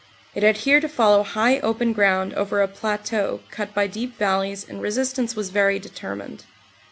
It had here to follow high open ground over a plateau cut by deep valleys and resistance was very deter mined.